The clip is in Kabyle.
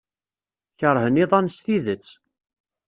Keṛhen iḍan s tidet.